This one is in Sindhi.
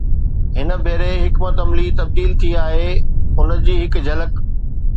هن ڀيري حڪمت عملي تبديل ٿي آهي، ان جي هڪ جھلڪ